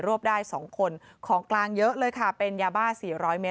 รวบได้สองคนของกลางเยอะเลยค่ะเป็นยาบ้าสี่ร้อยเมตร